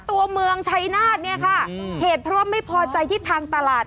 ตัวเมืองชัยนาธเนี่ยค่ะเหตุเพราะว่าไม่พอใจที่ทางตลาด